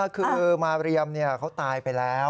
คือมาเรียมเขาตายไปแล้ว